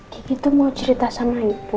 kiki itu mau cerita sama ibu